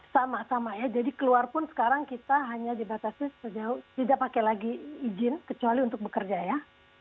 sama sama ya jadi keluar pun sekarang kita hanya dibatasi sejauh tidak pakai lagi izin kecuali untuk bekerja ya